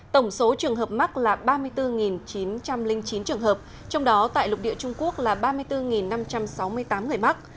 tổng số trường hợp mắc là ba mươi bốn chín trăm linh chín trường hợp trong đó tại lục địa trung quốc là ba mươi bốn năm trăm sáu mươi tám người mắc